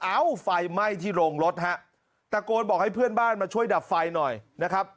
ไฟไหม้ที่โรงรถฮะตะโกนบอกให้เพื่อนบ้านมาช่วยดับไฟหน่อยนะครับ